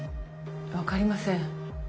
分かりません。